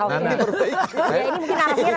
nah ini mungkin ahasnya